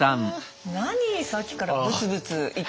何さっきからブツブツ言ってるんですか？